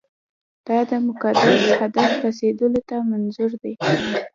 دا د مقدس هدف رسېدلو په منظور.